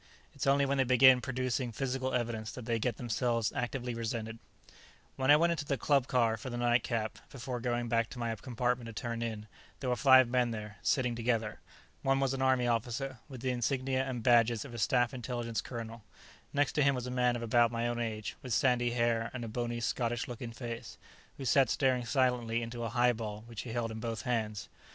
It's only when they begin producing physical evidence that they get themselves actively resented. When I went into the club car for a nightcap before going back to my compartment to turn in, there were five men there, sitting together. One was an Army officer, with the insignia and badges of a Staff Intelligence colonel. Next to him was a man of about my own age, with sandy hair and a bony, Scottish looking face, who sat staring silently into a highball which he held in both hands.